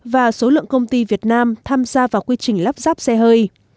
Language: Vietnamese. và số lượng công ty việt nam tham gia vào quy trình lắp ráp xe hơi